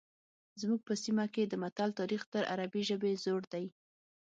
زموږ په سیمه کې د متل تاریخ تر عربي ژبې زوړ دی